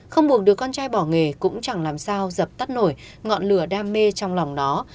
không buồn đứa con trai bỏ nghề cũng chẳng làm sao dập tắt nổi ngọn lửa đam mê trong lòng nó